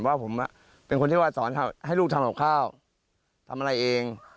ว่าผมเป็นคนที่ว่าสอนให้ลูกทำกับข้าวทำอะไรเอง